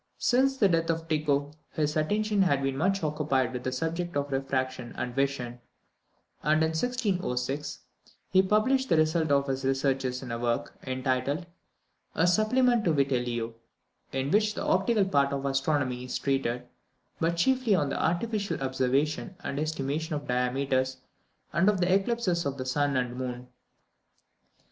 Since the death of Tycho, his attention had been much occupied with the subject of refraction and vision; and, in 1606, he published the result of his researches in a work, entitled "A Supplement to Vitellio, in which the optical part of astronomy is treated, but chiefly on the artificial observation and estimation of diameters, and of the eclipses of the Sun and Moon."